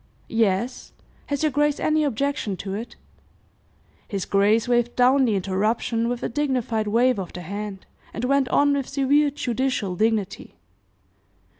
"Yes. Has your grace any objection to it?" His grace waved down the interruption with a dignified wave of the hand, and went on with severe judicial dignity.